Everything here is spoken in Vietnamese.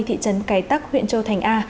thị trấn cái tắc huyện châu thành a